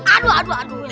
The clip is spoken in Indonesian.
aduh aduh aduh